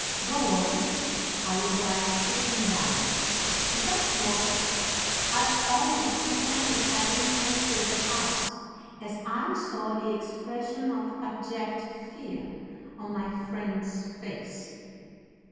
"'Go on,' I replied, sitting down. The fact was, I almost repented having entered the house as I saw the expression of abject fear on my friend's face.